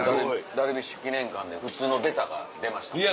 ダルビッシュ記念館で普通の「出た！」が出ましたもんね。